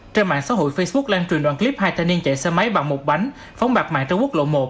trên mạng xã hội facebook lan truyền đoạn clip hai thanh niên chạy xe máy bằng một bánh phóng bạc mạng trên quốc lộ một